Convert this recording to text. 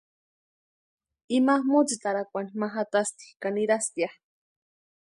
Ima mótsitarakwani ma jatasti ka nirastia.